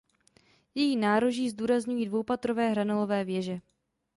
Její nároží zdůrazňují dvoupatrové hranolové věže.